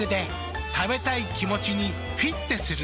食べたい気持ちにフィッテする。